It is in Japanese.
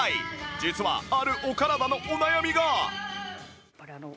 実はあるお体のお悩みが